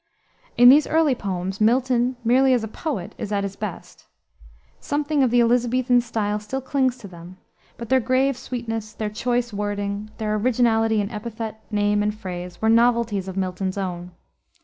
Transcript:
In these early poems, Milton, merely as a poet, is at his best. Something of the Elisabethan style still clings to them; but their grave sweetness, their choice wording, their originality in epithet, name, and phrase, were novelties of Milton's own.